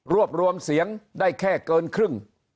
รวมเสียงได้แค่เกินครึ่ง